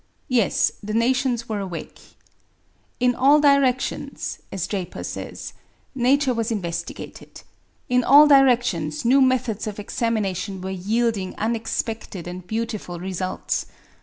Yes, the nations were awake. "In all directions," as Draper says, "Nature was investigated: in all directions new methods of examination were yielding unexpected and beautiful results.